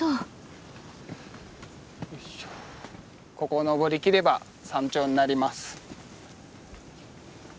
ここを登りきれば山頂になります。